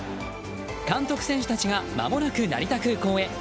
監督、選手たちがまもなく成田空港へ。